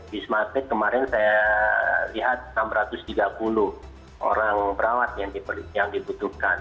wisma atlet kemarin saya lihat enam ratus tiga puluh orang perawat yang dibutuhkan